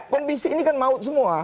pembisik ini kan maut semua